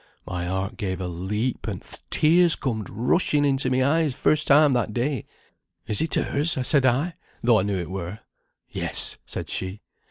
My heart gave a leap, and th' tears comed rushing into my eyes first time that day. 'Is it hers?' said I, though I knew it were. 'Yes,' said she.